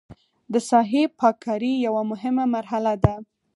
د ساحې پاک کاري یوه مهمه مرحله ده